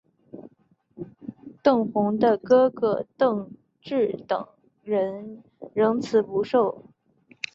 邓弘的哥哥邓骘等人仍辞不受。